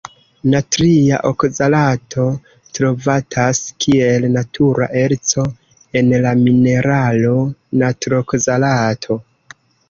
Natria okzalato trovatas kiel natura erco en la mineralo natrokzalato.